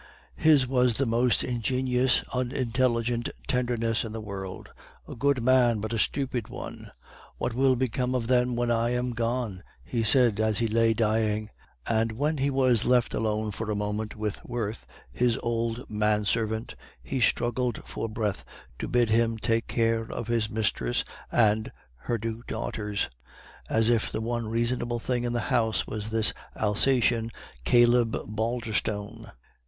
His was the most ingenious unintelligent tenderness in the world. A good man, but a stupid one! 'What will become of them when I am gone?' he said, as he lay dying; and when he was left alone for a moment with Wirth, his old man servant, he struggled for breath to bid him take care of his mistress and her two daughters, as if the one reasonable being in the house was this Alsacien Caleb Balderstone.